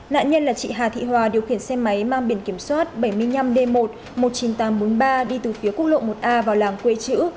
nạn nhân là chị hà thị hòa điều khiển xe máy mang biển kiểm soát bảy mươi năm d một một mươi chín nghìn tám trăm bốn mươi ba đi từ phía quốc lộ một a vào làng quê chữ